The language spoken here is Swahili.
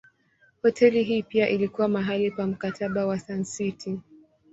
Hoteli hii pia ilikuwa mahali pa Mkataba wa Sun City.